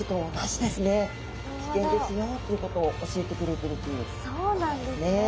危険ですよということを教えてくれてるということですね。